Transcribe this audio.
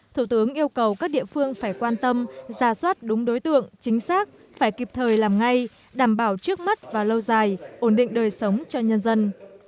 thủ tướng yêu cầu các địa phương phải quan tâm ra soát đúng đối tượng chính xác phải kịp thời làm ngay đảm bảo trước mắt và lâu dài ổn định đời sống cho nhân dân